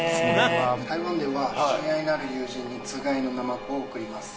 ・台湾では親愛なる友人につがいのナマコを贈ります。